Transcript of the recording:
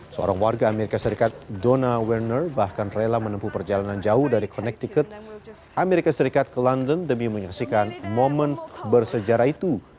seorang warga amerika serikat donna werner bahkan rela menempuh perjalanan jauh dari connecticut amerika serikat ke london demi menyaksikan momen bersejarah itu